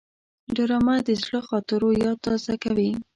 ډرامه د زړو خاطرو یاد تازه کوي